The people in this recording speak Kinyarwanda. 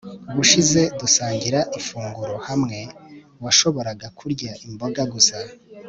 ubushize dusangira ifunguro hamwe, washoboraga kurya imboga gusa